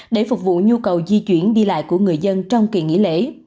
để phục vụ nhu cầu di chuyển đi lại của người dân trong kỳ nghỉ lễ